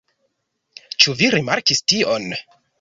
Ĉu vi rimarkis tion?